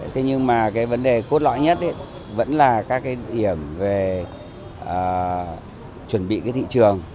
thế nhưng mà cái vấn đề cốt lõi nhất ấy vẫn là các cái điểm về chuẩn bị cái thị trường